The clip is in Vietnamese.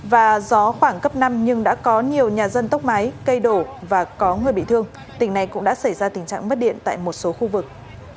và gió khoảng cấp năm nhưng đã có nhiều nhà dân tốc máy cây đổ và có người bị thương tỉnh này cũng đã xảy ra tình trạng mất điện tại một số khu vực